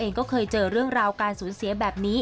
เราก็จะมีความรู้สึกเรื่องของความสูญเสียอยู่บ้างนะครับ